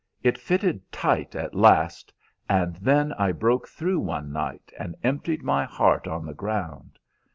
It fitted tight at last, and then I broke through one night and emptied my heart on the ground.